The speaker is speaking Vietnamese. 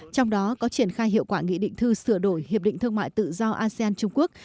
trong đó có triển khai hiệu quả nghị định thư sửa đổi hiệp định thương mại tự do asean trung quốc